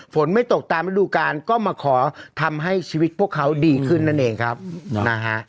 ฝนไม่ตกตามฤดูการก็มาขอทำให้ชีวิตพวกเขาดีขึ้นนั่นเองครับนะฮะ